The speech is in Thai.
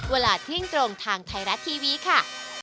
เวลาเที่ยงตรงทางไทยรัฐทีวีค่ะ